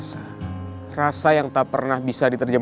saya menikmati orang pada altura yang lebih rada dan jelas